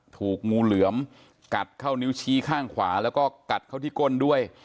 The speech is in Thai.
ถูกงูเหลือมกัดเข้านิ้วชี้ข้างขวาแล้วก็กัดเข้าที่ก้นด้วย